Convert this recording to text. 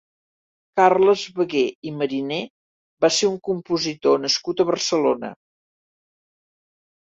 Carles Baguer i Mariner va ser un compositor nascut a Barcelona.